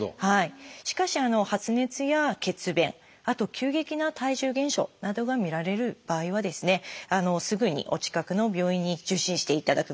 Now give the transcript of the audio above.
しかし発熱や血便あと急激な体重減少などが見られる場合はすぐにお近くの病院に受診していただく。